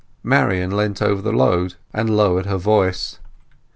Marian leant over the load, and lowered her voice.